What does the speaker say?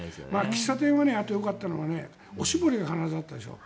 喫茶店がよかったのはおしぼりが必ずあったでしょ。